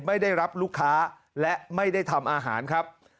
ไม่ได้รับลูกค้าและไม่ได้ทำอาหารครับ